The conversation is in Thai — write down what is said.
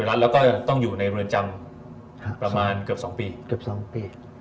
แล้วก็ต้องอยู่ในเรือนจำประมาณเกือบ๒ปี